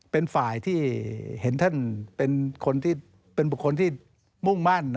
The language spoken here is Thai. เป็นฝ่ายที่เห็นท่านเป็นคนที่มุ่งมั่น